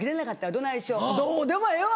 どうでもええわ！